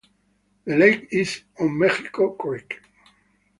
The lake is on Mexico Creek.